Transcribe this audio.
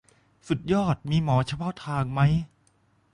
สุดยอด มีหมอเฉพาะทางไหม ?